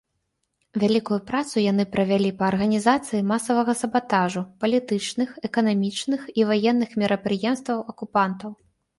Вялікую працу яны правялі па арганізацыі масавага сабатажу палітычных, эканамічных і ваенных мерапрыемстваў акупантаў.